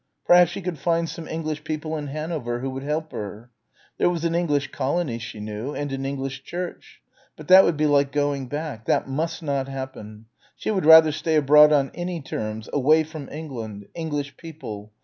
Perhaps she could find some English people in Hanover who would help her. There was an English colony she knew, and an English church. But that would be like going back. That must not happen. She would rather stay abroad on any terms away from England English people.